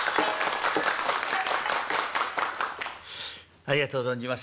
ありがとう存じます。